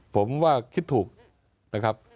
ผมว่าคิดถูกนะครับ